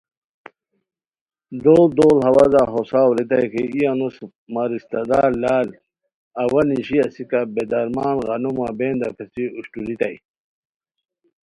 دوڑ دوڑ ہوازا ہوساؤ ریتائے کی ای انوس مہ رشتہ دار لال اوا نیشی اسیکہ بے درمان غانو مہ بیندا پیڅھی اوشٹوریتائے